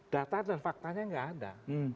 data dan faktanya nggak ada